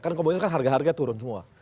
karena komoditas kan harga harga turun semua